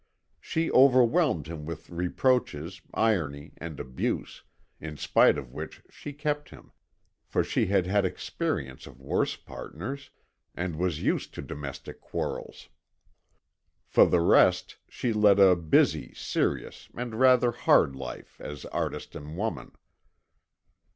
She overwhelmed him with reproaches, irony, and abuse, in spite of which she kept him, for she had had experience of worse partners and was used to domestic quarrels. For the rest, she led a busy, serious, and rather hard life as artist and woman.